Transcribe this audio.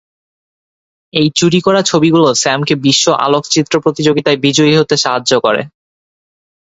এই চুরি করা ছবিগুলো স্যামকে বিশ্ব আলোকচিত্র প্রতিযোগিতায় বিজয়ী হতে সাহায্য করে।